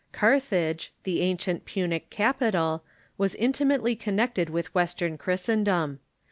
Carthage, the ancient Punic capital, was intimately connected with Western Christendom.